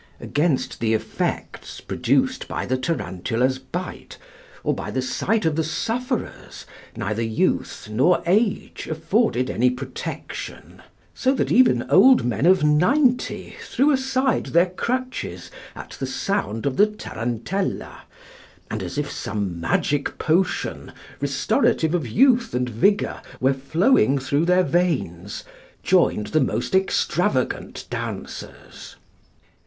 Against the effects produced by the tarantula's bite, or by the sight of the sufferers, neither youth nor age afforded any protection; so that even old men of ninety threw aside their crutches at the sound of the tarantella, and, as if some magic potion, restorative of youth and vigour, were flowing through their veins, joined the most extravagant dancers.